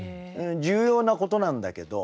重要なことなんだけど。